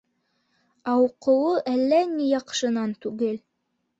Ә уҡыуы әллә ни яҡшынан түгел.